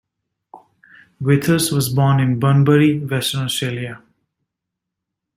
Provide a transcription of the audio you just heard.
Withers was born in Bunbury, Western Australia.